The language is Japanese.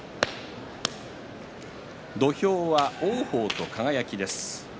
土俵は王鵬と輝です。